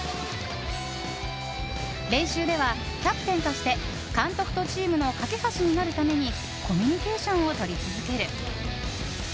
練習では、キャプテンとして監督とチームの懸け橋になるためにコミュニケーションを取り続ける。